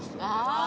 ああ！